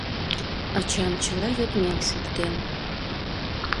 Ачам чыла йодмем шуктен.